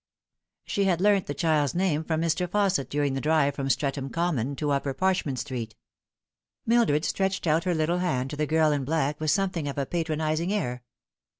She had learnt tke child's name from Mr. Fausset during the drive from Streatham Common to Upper Parchment Street. Mildred stretched out her little hand to the girl in black with somewhat of a patronising air.